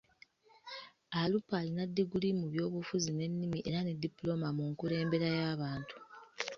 Alupo alina diguli mu byobufuzi n’ennimi era ne dipulooma mu nkulembera y’abantu.